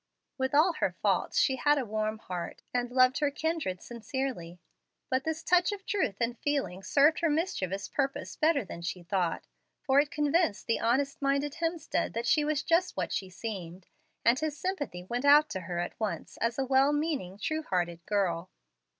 With all her faults she had a warm heart, and loved her kindred sincerely. But this touch of truth and feeling served her mischievous purpose better than she thought, for it convinced the honest minded Hemstead that she was just what she seemed, and his sympathy went out to her at once as a well meaning, true hearted girl.